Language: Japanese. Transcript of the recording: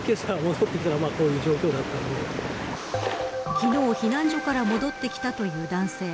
昨日、避難所から戻ってきたという男性。